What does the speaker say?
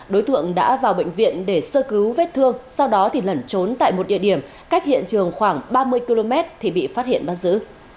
đối tượng đã vào bệnh viện để sơ cứu vết thương sau đó lẩn trốn tại một địa điểm cách hiện trường khoảng ba mươi km thì bị phát hiện bắt giữ